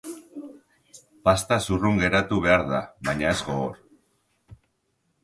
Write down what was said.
Pasta zurrun geratu behar da, baina ez gogor.